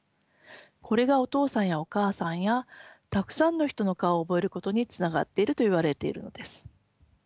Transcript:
これがお父さんやお母さんやたくさんの人の顔を覚えることにつながっているといわれているのです。